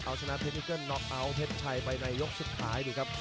เอาชนะเทนิเกิ้ลน็อกเอาท์เพชรชัยไปในยกสุดท้ายดูครับ